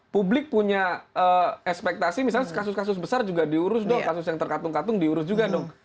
publik punya ekspektasi misalnya kasus kasus besar juga diurus dong kasus yang terkatung katung diurus juga dong